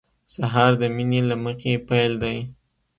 سهار د مینې له مخې پیل دی.